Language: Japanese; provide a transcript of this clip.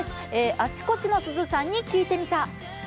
あちこちのすずさんにきいてみた」。